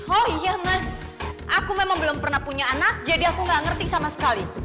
oh iya mas aku memang belum pernah punya anak jadi aku nggak ngerti sama sekali